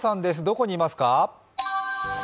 どこにいますか？